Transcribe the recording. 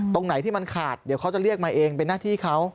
ตรงไหนที่มันขาดเดี๋ยวเขาจะเรียกมาเองเป็นหน้าที่เขา